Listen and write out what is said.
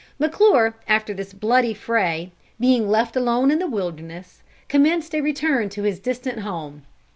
McClure, after this bloody fray, being left alone in the wilderness, commenced a return to his distant home.